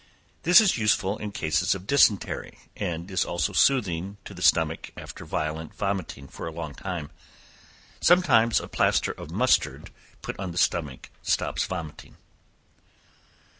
This is useful in cases of dysentery, and is also soothing to the stomach, after violent vomiting for a long time. Sometimes a plaster of mustard put on the stomach stops vomiting.